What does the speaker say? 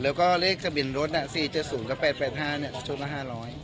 แล้วก็เลขทะเบียนรถน่ะ๔๗๐แล้ว๘๘๕ชุดละ๕๐๐